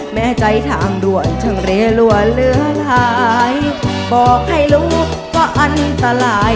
แม้ใจทางด่วนช่างเรลัวเหลือหลายบอกให้รู้ว่าอันตราย